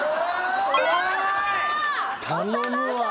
頼むわ。